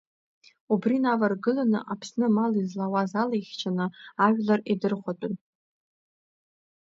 Убри инаваргыланы Аԥсны амал излауаз ала ихьчаны, ажәлар идырхәатәын.